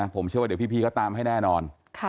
ผมเชื่อว่าเดี๋ยวพี่เขาตามให้แน่นอน